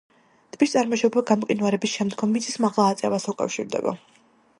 ტბის წარმოშობა გამყინვარების შემდგომ მიწის მაღლა აწევას უკავშირდება.